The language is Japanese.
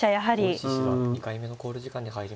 大石七段２回目の考慮時間に入りました。